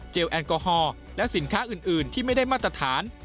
แอลกอฮอล์และสินค้าอื่นที่ไม่ได้มาตรฐาน